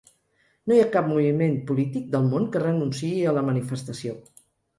No hi ha cap moviment polític del món que renunciï a la manifestació.